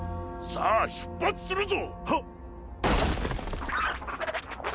さあ出発するぞはっ！